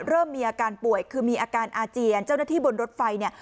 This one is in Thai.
เริ่มมีอาการป่วยคือมีอาการอาเจียนเจ้าหน้าที่บนรถไฟเนี่ย